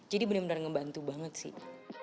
jadi benar benar ngebantu banget sih